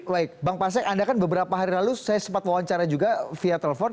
baik bang pasek anda kan beberapa hari lalu saya sempat wawancara juga via telepon